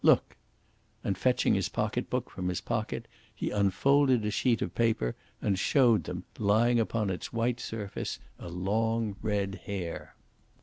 Look!" And, fetching his pocket book from his pocket, he unfolded a sheet of paper and showed them, lying upon its white surface a long red hair.